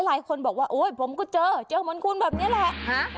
หลายคนบอกว่าโอ๊ยผมก็เจอเจอเหมือนคุณแบบนี้แหละ